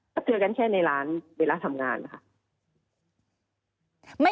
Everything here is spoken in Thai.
เกือกันแค่ในร้านเวลาทำงานค่ะ